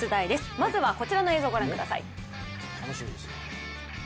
まずはこちらの映像御覧ください。